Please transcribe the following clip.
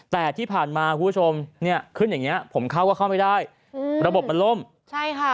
แต่ที่ผ่านมาคุณผู้ชมเนี่ยขึ้นอย่างเงี้ผมเข้าก็เข้าไม่ได้อืมระบบมันล่มใช่ค่ะ